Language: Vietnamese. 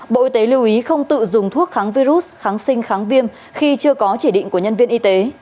bộ y tế lưu ý không tự dùng thuốc kháng virus kháng sinh kháng viêm khi chưa có chỉ định của nhân viên y tế